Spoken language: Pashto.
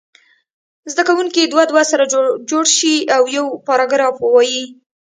زده کوونکي دوه دوه سره جوړ شي او یو پاراګراف ووایي.